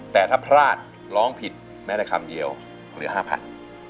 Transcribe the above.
แต่ถ้าพลาดร้องผิดแม้แต่คำเดียวเหลือ๕๐๐บาท